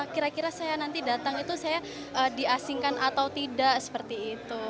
kira kira saya nanti datang itu saya diasingkan atau tidak seperti itu